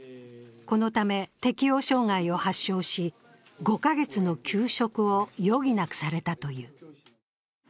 このため、適応障害を発症し５カ月の休職を余儀なくされたという。